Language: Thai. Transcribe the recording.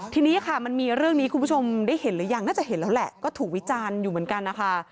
ทีนี้ค่ะมันมีเรื่องนี้คุณผู้ชมได้เห็นหรือยังน่าจะเห็นแล้วแหละก็ถูกวิจารณ์อยู่เหมือนกันนะคะ